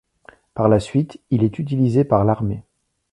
Par la suite, il est utilisé par l'armée.